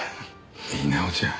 稲尾ちゃん。